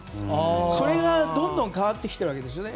それがどんどん変わってきているわけです。